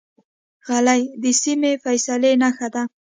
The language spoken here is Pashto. غلی، د سمې فیصلې نښه ده.